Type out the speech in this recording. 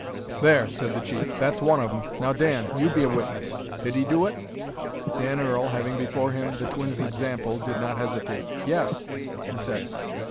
"There," said the chief, "that's one of 'em. Now, Dan, you be a witness. Did he do it?" Dan Earl, having before him the twin's example, did not hesitate. "Yes," he said.